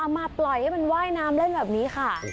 มาปล่อยให้มันว่ายน้ำเล่นแบบนี้ค่ะ